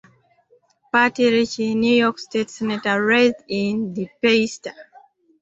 Patty Ritchie, New York State Senator - raised in DePeyster.